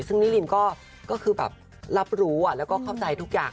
ซึ่งนิรินก็คือแบบรับรู้แล้วก็เข้าใจทุกอย่าง